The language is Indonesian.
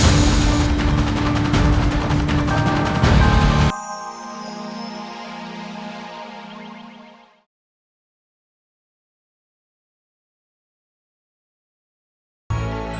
hidungi layan abramu ya allah